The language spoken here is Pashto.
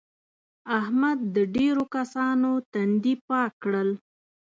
احمد د ډېرو کسانو تندي پاک کړل.